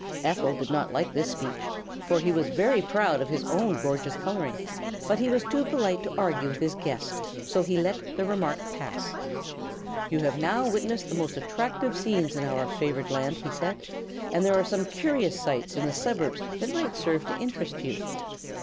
Ephel did not like this speech, for he was very proud of his own gorgeous coloring; but he was too polite to argue with his guest, so he let the remark pass. "You have now witnessed the most attractive scenes in our favored land," he said; "but there are some curious sights in the suburbs that might serve to interest you."